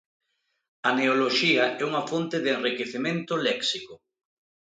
A neoloxía é unha fonte de enriquecemento léxico.